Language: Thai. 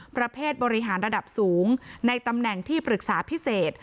ประเภทบริหารระดับสูงในตำแหน่งที่ปรึกษาพิเศษ